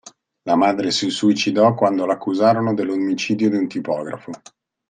La madre si suicidò quando l'accusarono dell'omicidio di un tipografo.